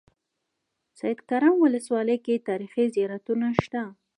سیدکرم ولسوالۍ کې تاریخي زيارتونه شته.